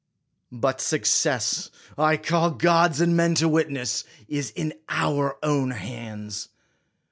But success (I call gods and men to witness!) is in our own hands.